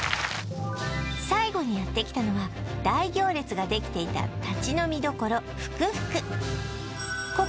最後にやってきたのは大行列ができていた立ち呑み処ふくふく